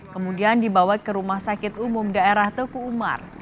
kemudian dibawa ke rumah sakit umum daerah teku umar